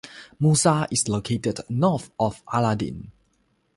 Musa is located North of Aladdin.